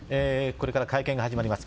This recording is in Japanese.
これから会見が始まります。